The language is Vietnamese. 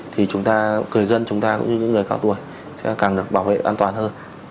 thì người dân chúng ta cũng như những người cao tuổi sẽ càng được bảo vệ an toàn hơn